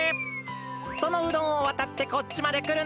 そのうどんをわたってこっちまでくるのだ。